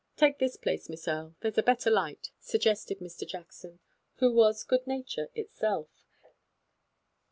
Take this place, Miss Erie, there's a better light," suggested Mr. Jackson, who was good nature itself.